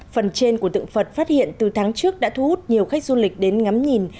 phần trên của tượng phật phát hiện từ tháng trước đã thu hút nhiều khách du lịch đến ngắm nhìn